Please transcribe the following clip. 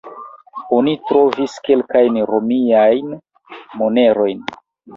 Oni trovis kelkajn romiajn monerojn.